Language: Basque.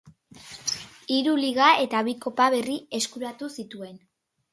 Hiru Liga eta bi kopa berri eskuratu zituen.